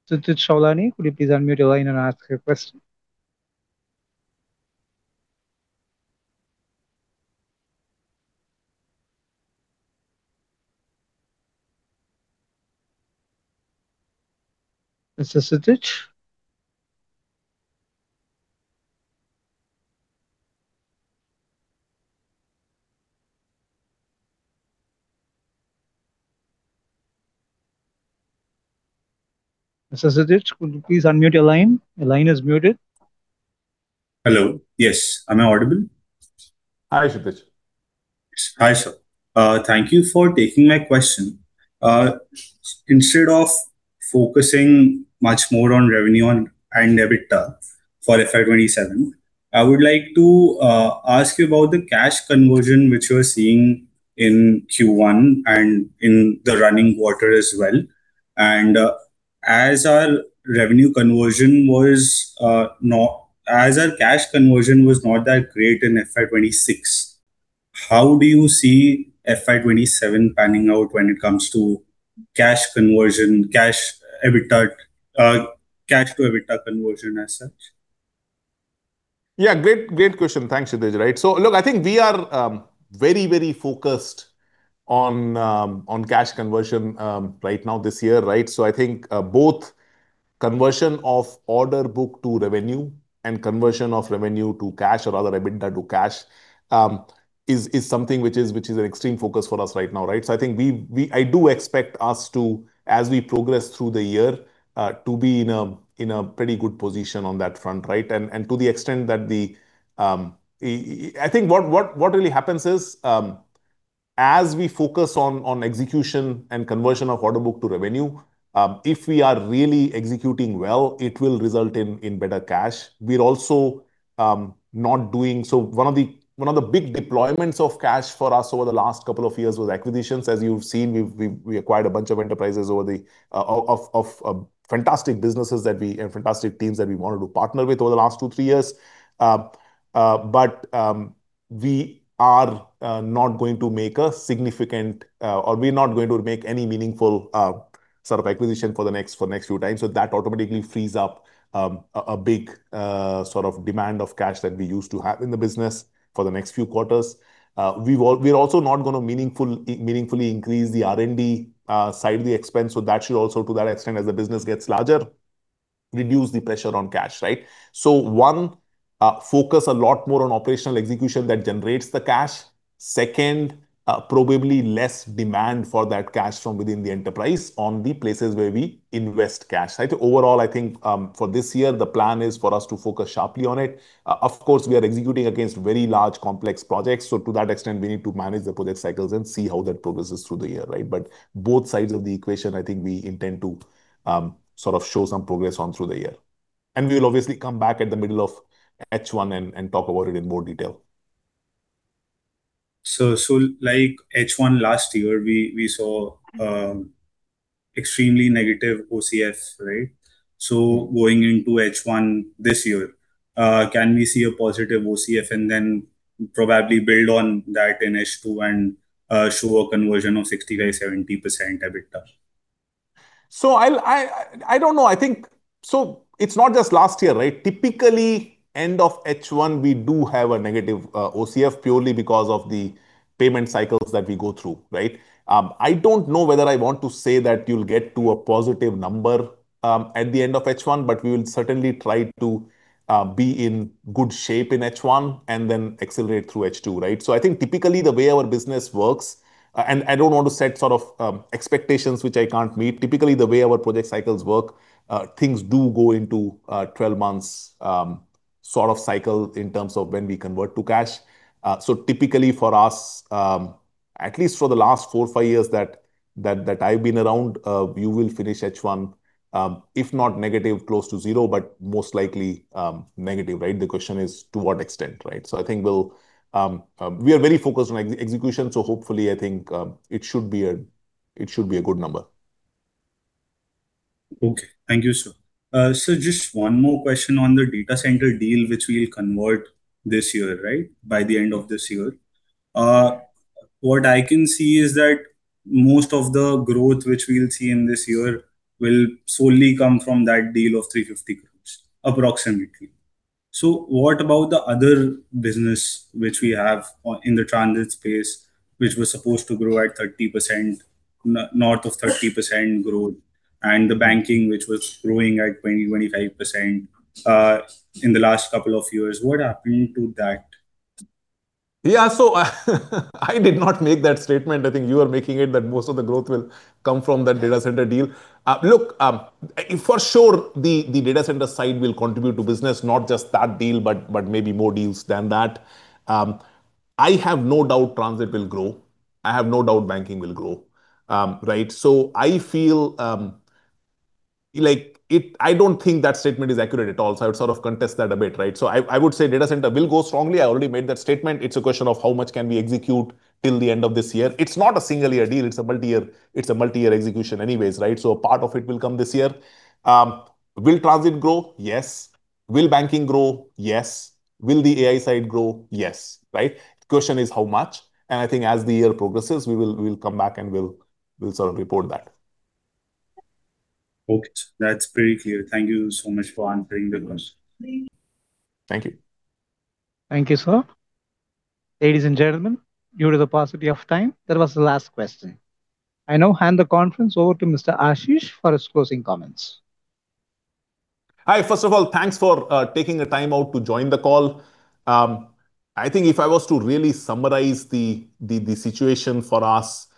Thank you. The next question comes from the line of Kshitij Sowlani. Kshitij Sowlani, could you please unmute your line and ask your question? Mr. Kshitij? Mr. Kshitij, could you please unmute your line? Your line is muted. Hello. Yes. Am I audible? Hi, Kshitij. Hi, sir. Thank you for taking my question. Instead of focusing much more on revenue and EBITDA for FY 2027, I would like to ask you about the cash conversion which you are seeing in Q1 and in the running quarter as well. As our cash conversion was not that great in FY 2026, how do you see FY 2027 panning out when it comes to cash conversion, cash to EBITDA conversion as such? Great question. Thanks, Kshitij. Look, I think we are very focused on cash conversion right now this year, right? I think both conversion of order book to revenue and conversion of revenue to cash or rather EBITDA to cash is something which is an extreme focus for us right now, right? I do expect us to, as we progress through the year, to be in a pretty good position on that front, right? I think what really happens is, as we focus on execution and conversion of order book to revenue, if we are really executing well, it will result in better cash. We also not doing-- One of the big deployments of cash for us over the last couple of years was acquisitions. As you've seen, we acquired a bunch of enterprises of fantastic businesses and fantastic teams that we wanted to partner with over the last two, three years. We are not going to make a significant, or we're not going to make any meaningful sort of acquisition for the next few times. That automatically frees up a big demand of cash that we used to have in the business for the next few quarters. We're also not going to meaningfully increase the R&D side of the expense. That should also, to that extent, as the business gets larger, reduce the pressure on cash, right? One, focus a lot more on operational execution that generates the cash. Second, probably less demand for that cash from within the enterprise on the places where we invest cash. Overall, I think, for this year, the plan is for us to focus sharply on it. Of course, we are executing against very large, complex projects, so to that extent, we need to manage the project cycles and see how that progresses through the year, right? Both sides of the equation, I think we intend to sort of show some progress on through the year. We will obviously come back at the middle of H1 and talk about it in more detail. Like H1 last year, we saw extremely negative OCF, right? Going into H1 this year, can we see a positive OCF and then probably build on that in H2 and show a conversion of 60%-70% EBITDA? I don't know. It's not just last year, right? Typically, end of H1, we do have a negative OCF purely because of the payment cycles that we go through, right? I don't know whether I want to say that you'll get to a positive number at the end of H1, but we will certainly try to be in good shape in H1 and then accelerate through H2, right? I think typically the way our business works, and I don't want to set sort of expectations which I can't meet. Typically, the way our project cycles work, things do go into a 12 months sort of cycle in terms of when we convert to cash. Typically for us, at least for the last four, five years that I've been around, you will finish H1, if not negative, close to zero, but most likely negative, right? The question is to what extent, right? I think we are very focused on execution, so hopefully I think it should be a good number. Okay. Thank you, sir. Just one more question on the data center deal, which we'll convert this year, right? By the end of this year. What I can see is that most of the growth which we'll see in this year will solely come from that deal of 350 crore approximately. What about the other business which we have in the transit space, which was supposed to grow at 30%, north of 30% growth, and the banking which was growing at 20%-25% in the last couple of years. What happened to that? Yeah. I did not make that statement. I think you are making it, that most of the growth will come from that data center deal. Look, for sure the data center side will contribute to business, not just that deal, but maybe more deals than that. I have no doubt transit will grow. I have no doubt banking will grow, right? I don't think that statement is accurate at all, so I would sort of contest that a bit, right? I would say data center will go strongly. I already made that statement. It's a question of how much can we execute till the end of this year. It's not a single-year deal, it's a multi-year execution anyways, right? A part of it will come this year. Will transit grow? Yes. Will banking grow? Yes. Will the AI side grow? Yes. Right? The question is how much. I think as the year progresses, we will come back and we'll sort of report that. Okay. That's pretty clear. Thank you so much for answering the question. Thank you. Thank you, sir. Ladies and gentlemen, due to the paucity of time, that was the last question. I now hand the conference over to Mr. Ashish for his closing comments. Hi. First of all, thanks for taking the time out to join the call. I think if I was to really summarize the situation for us,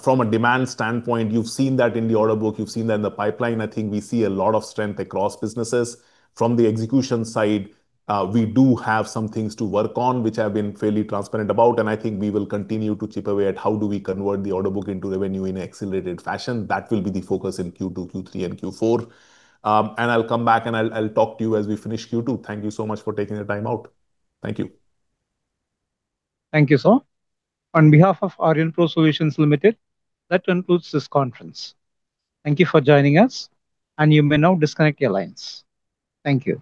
from a demand standpoint, you've seen that in the order book, you've seen that in the pipeline. I think we see a lot of strength across businesses. From the execution side, we do have some things to work on, which I've been fairly transparent about, and I think we will continue to chip away at how do we convert the order book into revenue in accelerated fashion. That will be the focus in Q2, Q3, and Q4. I'll come back and I'll talk to you as we finish Q2. Thank you so much for taking the time out. Thank you. Thank you, sir. On behalf of Aurionpro Solutions Limited, that concludes this conference. Thank you for joining us, and you may now disconnect your lines. Thank you.